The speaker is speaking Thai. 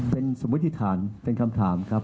เป็นสมมุติฐานเป็นคำถามครับ